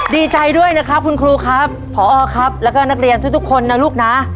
ดีใจด้วยนะครับคุณครูครับผอครับแล้วก็นักเรียนทุกคนนะลูกนะ